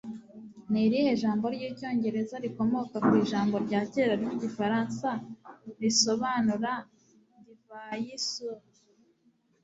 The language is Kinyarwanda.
Ni irihe jambo ry'icyongereza rikomoka ku Ijambo rya kera ry'igifaransa risobanura Divayi Sour